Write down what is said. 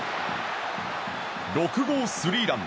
６号スリーラン。